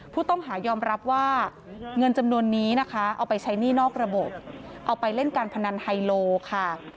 ผู้ต้องหายอมรับว่าเงินจำนวนนี้นะคะเอาไปใช้หนี้นอกระบบเอาไปเล่นการพนันไฮโลค่ะ